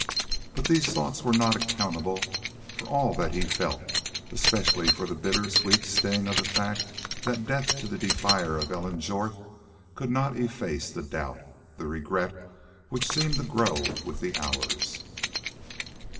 But these thoughts were not accountable for all that he felt, especially for the bittersweet sting of the fact that death to the defiler of Ellen Jorth could not efface the doubt, the regret which seemed to grow with the hours.